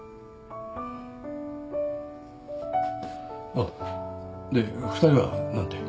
あっで２人は何て？